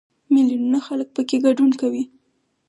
میلیونونه خلک پکې ګډون کوي.